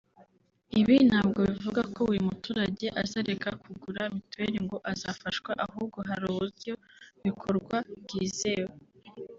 ibi ntabwo bivuga ko buri muturage azareka kugura mituweli ngo azafashwa ahubwo hari uburyo bikorwa bwizewe